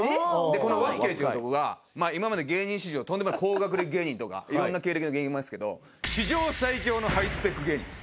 このわっきゃいっていう男が今まで芸人史上とんでもない高学歴芸人とかいろんな経歴の芸人いますけど史上最強のハイスペック芸人です。